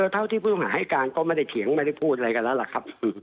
เท่าที่ผู้หาให้การก็ไม่ได้เถียงไม่ได้พูดอะไรกันแล้วล่ะครับ